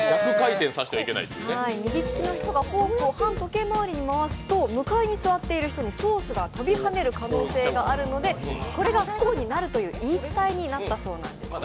右利きの人がフォークを反時計回りに回すと向かいに座っている人にソースが飛びはねる可能性があるのでこれが不幸になるという言い伝えになったそうなんですね。